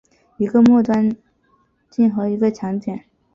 一个末端炔烃和一个强碱。